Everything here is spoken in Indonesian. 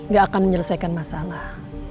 gak akan menyelesaikan masalah